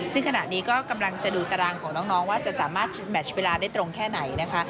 ซึ่งขณะนี้ก็กำลังจะดูตารางของน้องว่าจะสามารถแมชเวลาได้ตรงแค่ไหนนะคะ